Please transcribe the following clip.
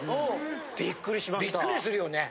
びっくりするよね。